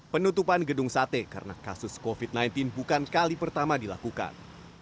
penutupan gedung sate karena kasus covid sembilan belas bukan kali pertama dilakukan